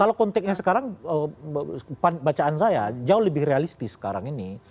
kalau konteknya sekarang bacaan saya jauh lebih realistis sekarang ini